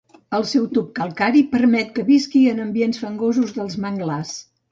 El seu tub calcari permet que visqui en ambients fangosos dels manglars.